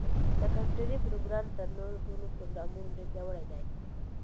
دا کمپیوټري پروګرام تر نورو ټولو پروګرامونو ډېر پیاوړی دی.